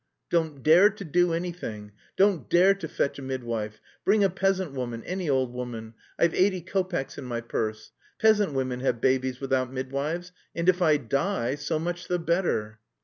"Don't dare to do anything, don't dare to fetch a midwife! Bring a peasant woman, any old woman, I've eighty kopecks in my purse.... Peasant women have babies without midwives.... And if I die, so much the better...."